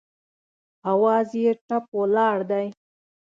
اواز یې ټپ ولاړ دی